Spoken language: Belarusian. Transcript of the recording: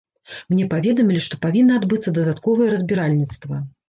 Мне паведамілі, што павінна адбыцца дадатковае разбіральніцтва.